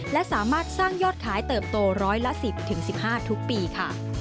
และสามารถสร้างยอดขายเติบโตร้อยละ๑๐๑๕ทุกปีค่ะ